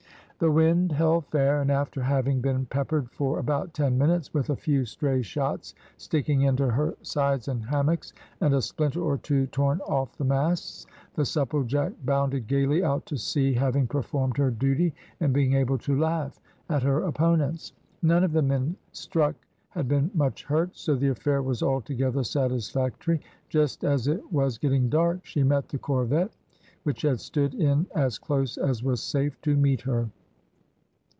The wind held fair, and after having been peppered for about ten minutes with a few stray shots sticking into her sides and hammocks, and a splinter or two torn off the masts, the Supplejack bounded gaily out to sea, having performed her duty, and being able to laugh at her opponents. None of the men struck had been much hurt, so the affair was altogether satisfactory. Just as it was getting dark, she met the corvette, which had stood in as close as was safe, to meet her.